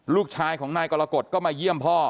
ลูกชายของนายกรกฎก็มาเยี่ยมพ่อ